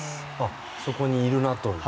そこにいるなという。